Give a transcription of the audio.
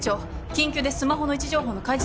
緊急でスマホの位置情報の開示